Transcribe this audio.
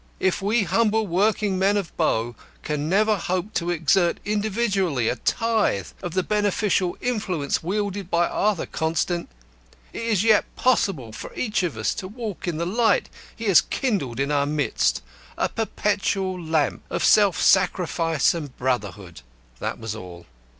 "If we humble working men of Bow can never hope to exert individually a tithe of the beneficial influence wielded by Arthur Constant, it is yet possible for each of us to walk in the light he has kindled in our midst a perpetual lamp of self sacrifice and brotherhood." That was all.